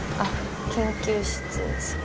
研究室ですか？」